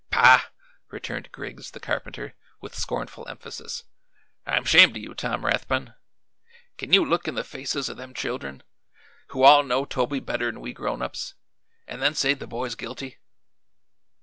"Pah!" returned Griggs the carpenter, with scornful emphasis, "I'm 'shamed o' you, Tom Rathbun. Can you look in the faces o' them children, who all know Toby better'n we grown ups, an' then say the boy's guilty?"